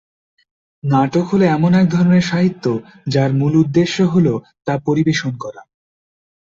নাটক হলো এমন এক ধরনের সাহিত্য, যার মূল উদ্দেশ্য হলো তা পরিবেশন করা।